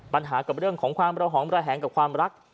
ปัญหากับเรื่องของความระหองระแหงกับความรัก